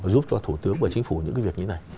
giúp cho thủ tướng và chính phủ những cái việc như này